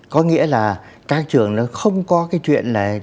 có nghĩa là các trường nó không có cái chuyện là